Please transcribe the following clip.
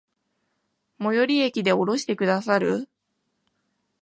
最寄駅で降ろしてくださる？